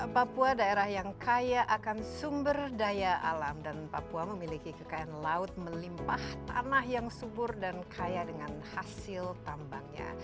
papua daerah yang kaya akan sumber daya alam dan papua memiliki kekayaan laut melimpah tanah yang subur dan kaya dengan hasil tambangnya